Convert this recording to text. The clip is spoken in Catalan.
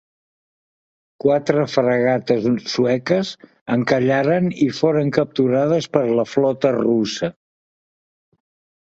Quatre fragates sueques encallaren i foren capturades per la flota russa.